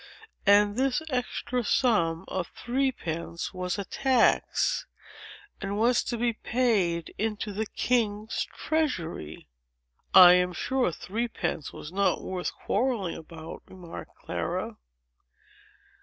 And this extra sum of three pence was a tax, and was to be paid into the king's treasury." "I am sure three pence was not worth quarrelling about!" remarked Clara.